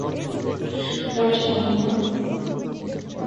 দরজা বন্ধ কর।